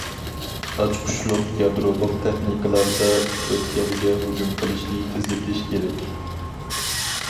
ئاچقۇچلۇق، يادرولۇق تېخنىكىلاردا ئۆتكەلگە ھۇجۇم قىلىشنى تېزلىتىش كېرەك.